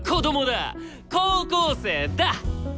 高校生だ！